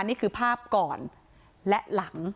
นี่คือภาพก่อนและหลัง